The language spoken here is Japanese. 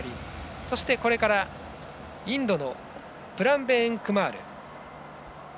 そして、これからインドのプラベーンクマール。